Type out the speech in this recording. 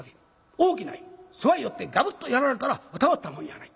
大きな犬そばへ寄ってガブッとやられたらたまったもんやない。